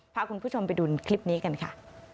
พาคุณผู้ชมไปดูคลิปนี้กันค่ะ